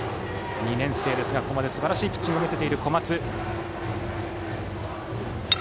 ２年生ですがここまですばらしいピッチングを見せている小松。